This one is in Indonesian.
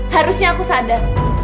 harusnya aku sadar